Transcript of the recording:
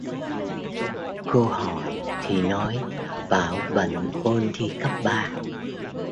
cô hỏi thì nói bảo bận ôn thi cấp ba